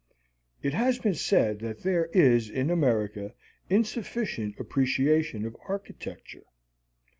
It has been said that there is in America insufficient appreciation of architecture.